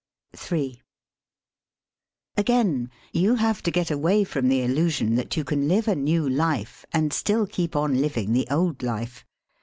m Again, you have to get away from the illusion that you can live a new life and still keep on living the old life.